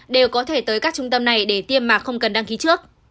đều có thể tới các trung tâm này để tiêm mà không cần đăng ký trước